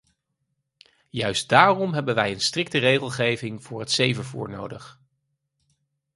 Juist daarom hebben wij een strikte regelgeving voor het zeevervoer nodig.